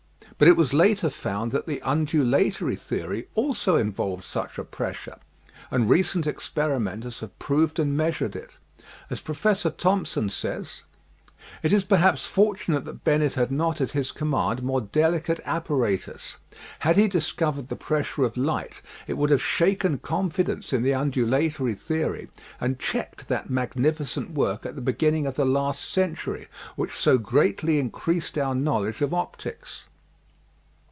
But it was later found that the undulatory theory also in volved such a pressure, and recent experimenters have proved and measured it. As Professor Thomson says : It is perhaps fortunate that Bennet had not at his command more delicate apparatus. Had he discovered the pressure of light, it would have shaken confidence in the undulatory theory and checked that magnificent work at the beginning of the last century which so greatly increased out knowledge of optics.